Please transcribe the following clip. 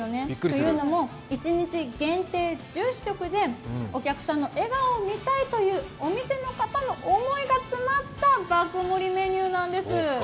というのも、一日限定１０食でお客さんの笑顔を見たいというお店の方の思いが詰まった爆盛りメニューなんです。